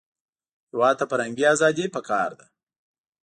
هېواد ته فرهنګي ازادي پکار ده